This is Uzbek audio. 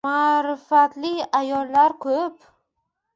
Maʼrifatli ayollar ko'p